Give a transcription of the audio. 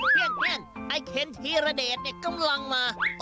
เที่ยงไอ้เคนธีรเดชเนี่ยกำลังมา